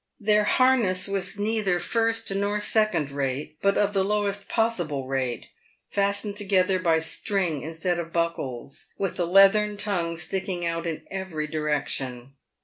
Their harness was neither first nor second rate, but of the lowest possible rate, fastened together by string instead of buckles, with the leathern tongues sticking out in every direction.